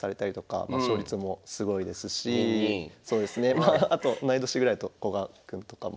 まああと同い年ぐらいだと古賀君とかも。